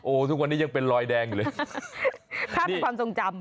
ทุกวันนี้ยังเป็นรอยแดงอยู่เลยภาพเป็นความทรงจำ